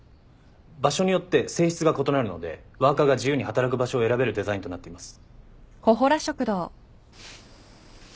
場所によって性質が異なるのでワーカーが自由に働く場所を選べるデザインとなっています。